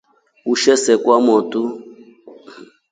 Ushe see kwa motu.